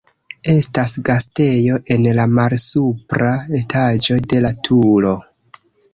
Estas gastejo en la malsupra etaĝo de la turo.